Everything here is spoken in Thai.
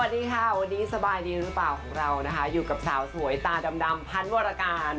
สวัสดีค่ะวันนี้สบายดีหรือเปล่าของเรานะคะอยู่กับสาวสวยตาดำพันวรการ